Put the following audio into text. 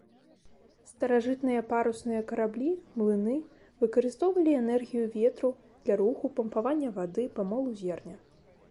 Старажытныя парусныя караблі, млыны, выкарыстоўвалі энергію ветру для руху, пампавання вады, памолу зерня.